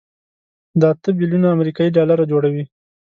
دا اته بيلیونه امریکایي ډالره جوړوي.